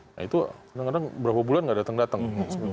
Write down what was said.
nah itu kadang kadang berapa bulan nggak datang datang